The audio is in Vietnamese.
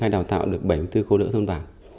đào tạo được bảy mươi bốn cô đỡ thôn bản